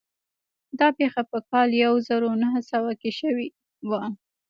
دا پېښه په کال يو زر و نهه سوه کې شوې وه.